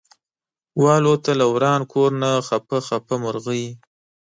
والوته له وران کور نه خپه خپه مرغۍ